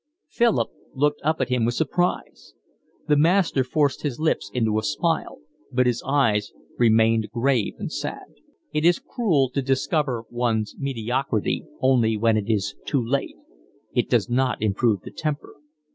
Philip looked up at him with surprise. The master forced his lips into a smile, but his eyes remained grave and sad. "It is cruel to discover one's mediocrity only when it is too late. It does not improve the temper."